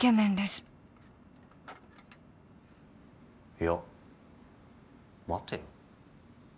いや待てよ。